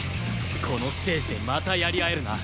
このステージでまたやり合えるな。